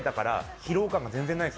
疲労感が全然ないです。